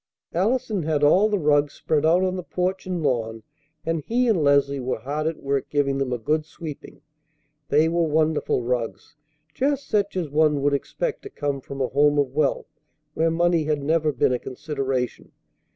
Allison had all the rugs spread out on the porch and lawn, and he and Leslie were hard at work giving them a good sweeping. They were wonderful rugs, just such as one would expect to come from a home of wealth where money had never been a consideration.